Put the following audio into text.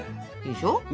でしょ？